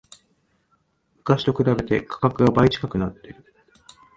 昔と比べて価格が倍近くなってる